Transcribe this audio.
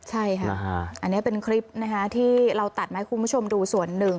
ใช่ค่ะอันนี้เป็นคลิปที่เราตัดมาให้คุณผู้ชมดูส่วนหนึ่ง